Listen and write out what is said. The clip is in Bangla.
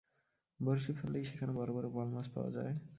বঁড়শি ফেললেই সেখানে বড়-বড় বোয়াল মাছ পাওয়া যায়।